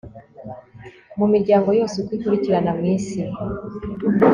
mu miryango yose uko ikurikirana mw'isi